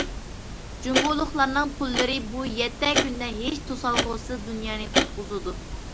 جۇڭگولۇقلارنىڭ پۇللىرى بۇ يەتتە كۈندە ھېچ توسالغۇسىز« دۇنيانى قۇتقۇزىدۇ».